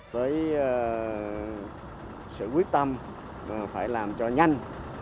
tới sự quyết tâm phải làm cho nhanh